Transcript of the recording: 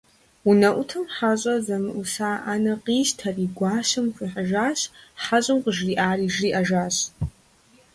УнэӀутым хьэщӀэр зэмыӀуса Ӏэнэр къищтэри гуащэм хуихьыжащ, хьэщӀэм къыжриӀари жриӀэжащ.